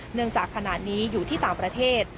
เนื่องจากขนาดนี้อยู่ที่ต่างประเทศ